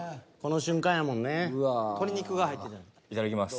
いただきます。